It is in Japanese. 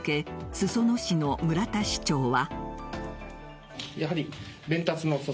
裾野市の村田市長は。